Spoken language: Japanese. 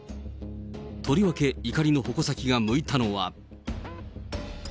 とりわけ、怒りの矛先が向いたのは。